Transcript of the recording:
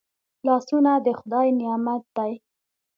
لاسونه د خدای نعمت دی